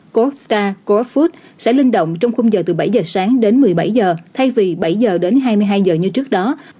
co star co food sẽ linh động trong khung giờ từ bảy h sáng đến một mươi bảy h thay vì bảy h đến hai mươi hai h như trước đó